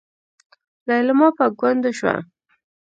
ليلما په ګونډو شوه.